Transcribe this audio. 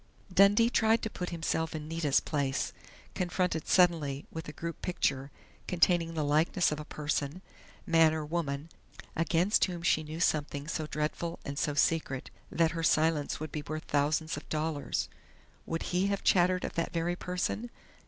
Dundee tried to put himself in Nita's place, confronted suddenly with a group picture containing the likeness of a person man or woman against whom she knew something so dreadful and so secret that her silence would be worth thousands of dollars. Would he have chattered of that very person?